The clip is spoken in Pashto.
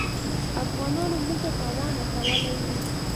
افغانانو موږ ته تاوان رسولی وي.